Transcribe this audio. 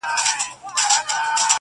خداى نه چي زه خواست كوم نو دغـــه وي,